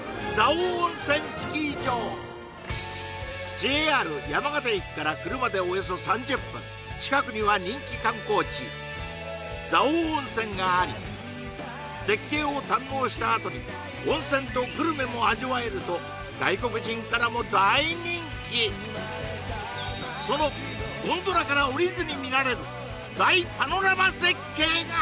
ＪＲ山形駅から車でおよそ３０分近くには人気観光地蔵王温泉があり絶景を堪能したあとに温泉とグルメも味わえると外国人からも大人気そのゴンドラから降りずに見られる大パノラマ絶景が！